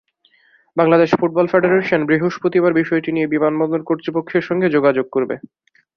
Bangladesh football federation বৃহস্পতিবার বিষয়টি নিয়ে বিমানবন্দর কর্তৃপক্ষের সঙ্গে যোগাযোগ করবে।